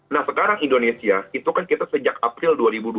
nah sekarang indonesia itu kan kita sejak april dua ribu dua puluh